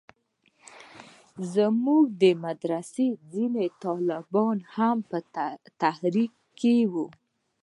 زموږ د مدرسې ځينې طالبان هم په تحريک کښې وو.